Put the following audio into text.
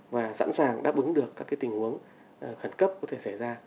và sẵn sàng đáp ứng được các tình huống khẩn cấp có thể xảy ra